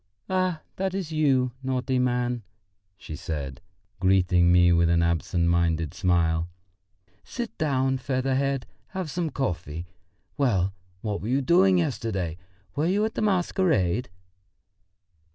"Ah, that's you, naughty man!" she said, greeting me with an absent minded smile. "Sit down, feather head, have some coffee. Well, what were you doing yesterday? Were you at the masquerade?"